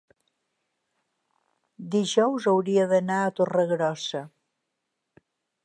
dijous hauria d'anar a Torregrossa.